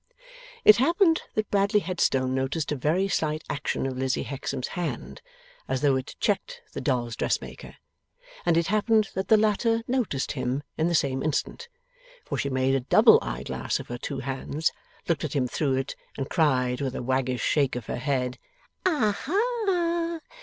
It happened that Bradley Headstone noticed a very slight action of Lizzie Hexam's hand, as though it checked the doll's dressmaker. And it happened that the latter noticed him in the same instant; for she made a double eyeglass of her two hands, looked at him through it, and cried, with a waggish shake of her head: 'Aha!